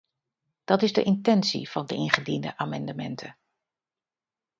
Dat is de intentie van de ingediende amendementen.